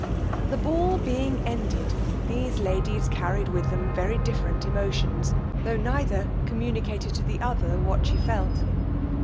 The ball being ended, these ladies carried with them very different emotions, tho' neither communicated to the other what she felt.